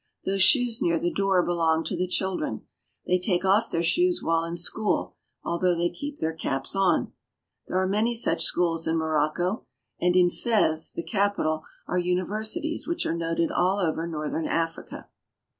Those shoes near the door belong to the children. They take off their shoes while in school, although they keep their caps on. There are many such schools in Mo rocco; and in Fez, the capital, are universities which are noted all over northern Africa.